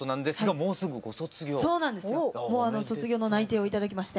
もう卒業の内定を頂きまして。